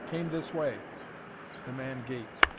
Came this way!" The man gaped.